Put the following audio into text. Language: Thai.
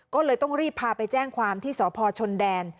ก็เลยต้องรีบพาไปแจ้งความที่สพชนแดน